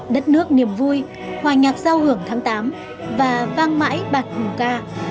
đất nước niềm vui hòa nhạc giao hưởng tháng tám và vang mãi bạc hùng ca